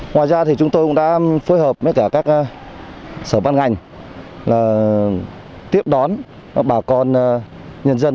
ngoài ra chúng tôi cũng đã phối hợp với các sở bán ngành tiếp đón bà con nhân dân